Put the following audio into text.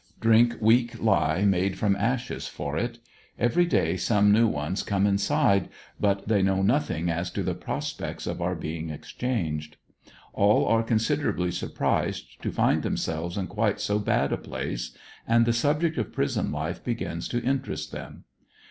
Drink weak lye made from ashes for it. Every day some new ones come inside, but they know nothing as to the prospects of our being exchanged. All are considerably surprised to find themselves in quite so bad a place, and the subject of prison life begins to interest them.